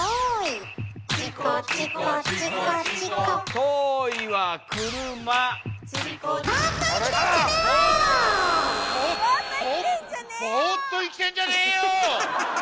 ボーっと生きてんじゃねーよ！